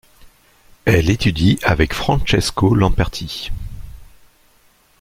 Elle étudie avec Francesco Lamperti.